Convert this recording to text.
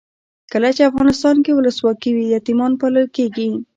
کله چې افغانستان کې ولسواکي وي یتیمان پالل کیږي.